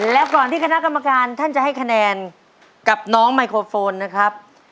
และก่อนที่คณะกรรมการท่านจะให้คะแนนกับน้องไมโครโฟนนะครับ